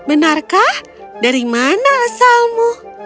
benarkah dari mana asalmu